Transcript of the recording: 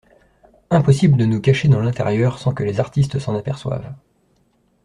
Impossible de nous cacher dans l'intérieur sans que les artistes s'en aperçoivent.